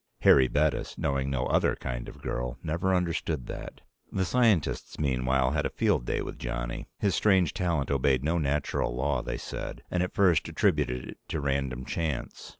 Harry Bettis, knowing no other kind of girl, never understood that. The scientists, meanwhile, had a field day with Johnny. His strange talent obeyed no natural law, they said, and at first attributed it to random chance.